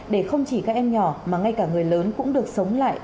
để không chỉ các em nhỏ mà ngay cả người lớn cũng được sống lại